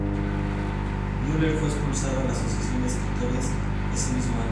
Müller fue expulsado de la Asociación de Escritores ese mismo año.